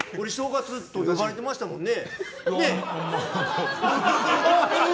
ずっと呼ばれてましたもんね。